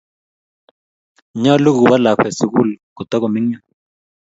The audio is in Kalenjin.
nyoluu kuwo lakwee sukul kotakominik